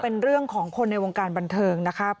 เป็นเรื่องของคนในวงการบันเทิงนะครับ